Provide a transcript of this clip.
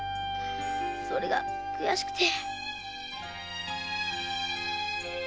それが悔しくて。